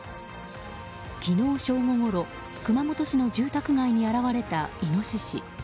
昨日正午ごろ熊本市の住宅街に現れたイノシシ。